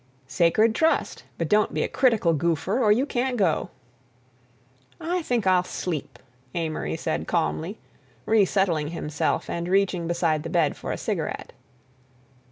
"Sacred trust, but don't be a critical goopher or you can't go!" "I think I'll sleep," Amory said calmly, resettling himself and reaching beside the bed for a cigarette.